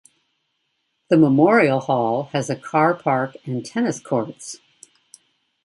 The Memorial Hall has a car park and tennis courts.